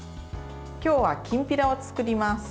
今日はきんぴらを作ります。